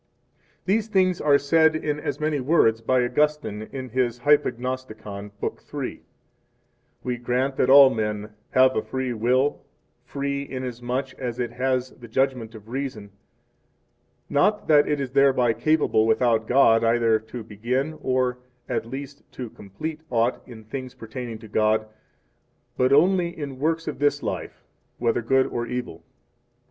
These things are said in as many words by Augustine in his Hypognosticon, Book III: We grant that all men have a free will, free, inasmuch as it has the judgment of reason; not that it is thereby capable, without God, either to begin, or, at least, to complete aught in things pertaining to God, but only in works of this life, whether good 5 or evil.